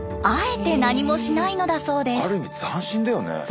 ある意味斬新だよね。